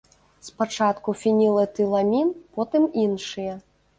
Спачатку фенілэтыламін, потым іншыя.